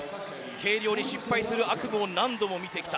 計量に失敗する悪夢を何度も見てきた。